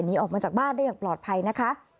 หนีออกมาจากบ้านได้อย่างปลอดภัยนะคะ